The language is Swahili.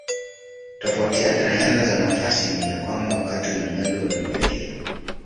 Tofauti yake na nyanda za nafasi ni ya kwamba wakati una mwendo na mwelekeo.